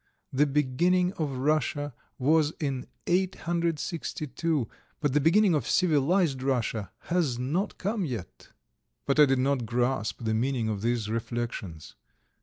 The beginning of Russia was in 862, but the beginning of civilized Russia has not come yet." But I did not grasp the meaning of these reflections.